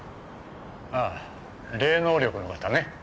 ああ霊能力の方ね。